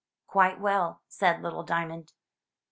"Quite well," said little Diamond.